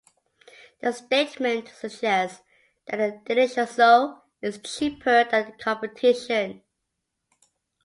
The statement suggests that the Delicioso is cheaper than the competition.